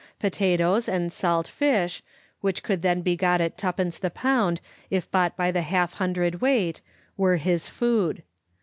Potatoes and salt fish, which could then be got at two pence the pound if bought by the half hundred weight, were his food.